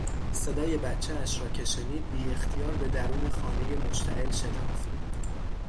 صدای بچهاش را که شنید بیاختیار به درون خانهی مشتعل شتافت.